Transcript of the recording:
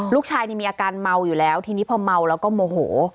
ลูกชายมีอาการเมาอยู่แล้วทีนี้พอเมาแล้วก็โมโห